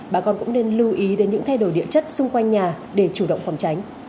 bà con cũng nên lưu ý đến những thay đổi địa chất xung quanh nhà để chủ động phòng tránh